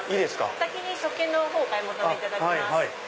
お先に食券の方お買い求めいただきます。